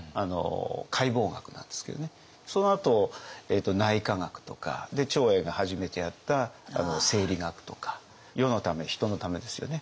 そのあと内科学とか長英が初めてやった生理学とか世のため人のためですよね。